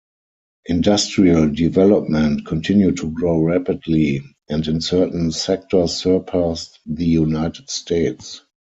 Industrial development continued to grow rapidly, and in certain sectors surpassed the United States.